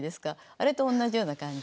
あれと同じような感じ。